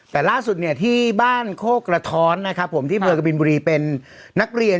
แต่ล่าสุดเนี่ยที่บ้านโฆกระท้อนนะครับผมเป็นนักเรียน